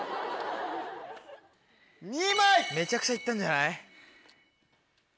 めちゃくちゃいったんじゃない？